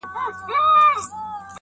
د هر چا په زړه کي اوسم بېګانه یم!!